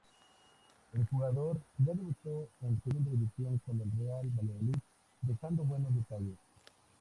El jugador ya debutó en Segunda División con el Real Valladolid, dejando buenos detalles.